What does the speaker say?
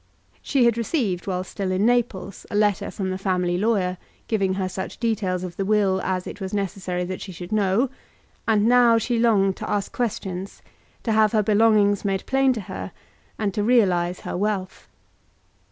She had received, while still in Naples, a letter from the family lawyer, giving her such details of the will as it was necessary that she should know, and now she longed to ask questions, to have her belongings made plain to her, and to realise her wealth.